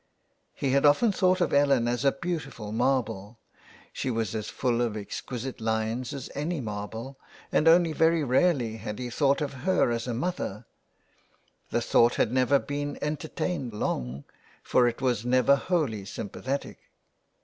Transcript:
He had often thought of Ellen as a beautiful marble — she was as full of exquisite lines as any marble — and only very rarely had he thought of her as a mother ; the thought had never been entertained long, for it was never wholly sympathetic.